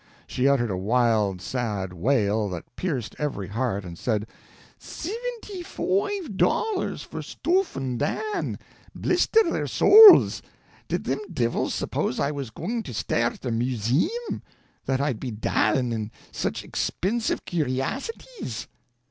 She uttered a wild, sad wail, that pierced every heart, and said: "Sivinty foive dollars for stoofhn' Dan, blister their sowls! Did thim divils suppose I was goin' to stairt a Museim, that I'd be dalin' in such expinsive curiassities!"